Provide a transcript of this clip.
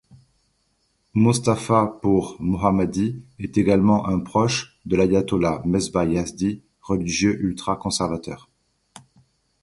Mostafa Pour-Mohammadi est également un proche de l'ayatollah Mesbah Yazdi, religieux ultra-conservateur.